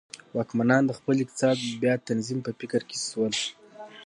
واکمنان د خپل اقتصاد بیا تنظیم په فکر کې شول.